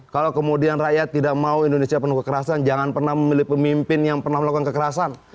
kalau kemudian rakyat tidak mau indonesia penuh kekerasan jangan pernah memilih pemimpin yang pernah melakukan kekerasan